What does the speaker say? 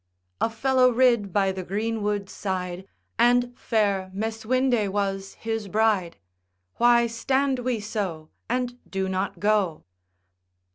A fellow rid by the greenwood side, And fair Meswinde was his bride, Why stand we so, and do not go?